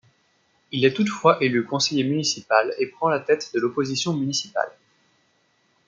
Il est toutefois élu conseiller municipal et prend la tête de l'opposition municipale.